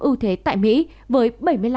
ưu thế tại mỹ với bảy mươi năm